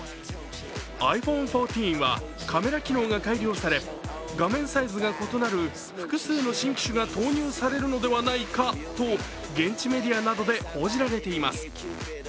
ｉＰｈｏｎｅ１４はカメラ機能が改良され、画面サイズが異なる複数の新機種が投入されるのではないかと現地メディアなどで報じられています。